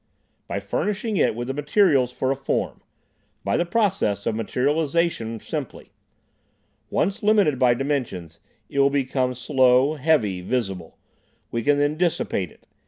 "By furnishing it with the materials for a form. By the process of materialisation simply. Once limited by dimensions, it will become slow, heavy, visible. We can then dissipate it.